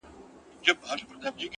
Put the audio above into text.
نیکي د وخت په حافظه کې ژوندۍ وي!